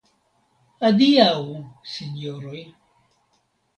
Adiaŭ sinjoroj.